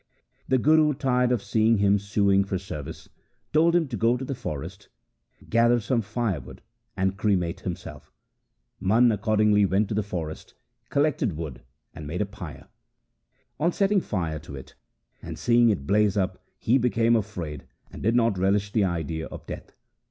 The Guru, tired of seeing him suing for service, told him to go to the forest, gather some firewood, and cremate himself. Mana accordingly LIFE OF GURU ANGAD 21 went to the forest, collected wood, and made a pyre. On setting fire to it and seeing it blaze up he became afraid, and did not relish the idea of death.